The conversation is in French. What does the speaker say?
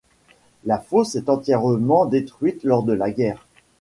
La fosse est entièrement détruite lors de la guerre.